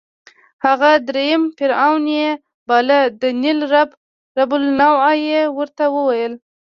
هغه درېیم فرعون یې باله، د نېل رب النوع یې ورته ویل.